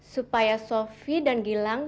supaya sophie dan gilang